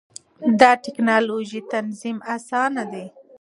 دا ټېکنالوژي تنظیم اسانه کوي.